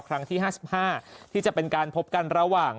ครั้งที่ห้าสิบห้าที่จะเป็นการพบกันระหว่าง